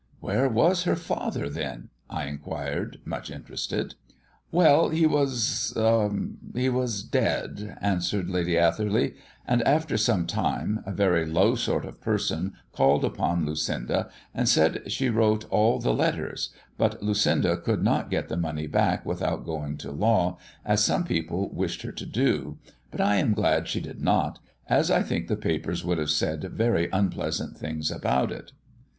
"Where was her father, then?" I inquired, much interested. "Well, he was a he was dead," answered Lady Atherley; "and after some time, a very low sort of person called upon Lucinda and said she wrote all the letters; but Lucinda could not get the money back without going to law, as some people wished her to do; but I am glad she did not, as I think the papers would have said very unpleasant things about it."